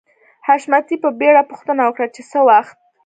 حشمتي په بېړه پوښتنه وکړه چې څه وخت